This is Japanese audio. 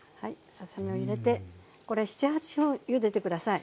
ささ身を入れてこれ７８分ゆでて下さい。